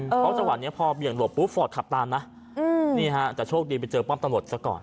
เพราะจังหวะนี้พอเบี่ยงหลบปุ๊บฟอร์ตขับตามนะนี่ฮะแต่โชคดีไปเจอป้อมตำรวจซะก่อน